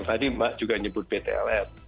tadi mbak juga nyebut btln